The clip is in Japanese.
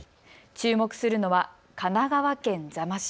注目するのは神奈川県座間市。